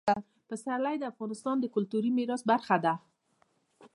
پسرلی د افغانستان د کلتوري میراث برخه ده.